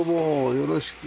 よろしく。